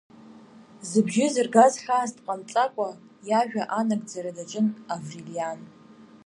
Зыбжьы зыргаз хьаас дҟамҵакәа иажәа анагӡара даҿын Аврелиан.